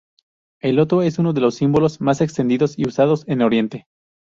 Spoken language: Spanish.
El loto es uno de los símbolos más extendidos y usados en oriente.